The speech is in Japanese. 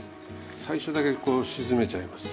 最初だけこう沈めちゃいます。